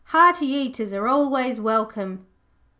'Hearty eaters are always welcome.'